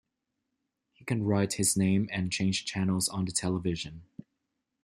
He can write his name and change channels on the television.